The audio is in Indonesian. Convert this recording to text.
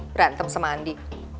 berantem sama andi